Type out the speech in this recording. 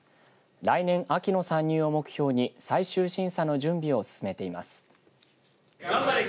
来年、秋の参入を目標に最終審査の準備を進めています。